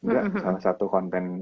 gak salah satu konten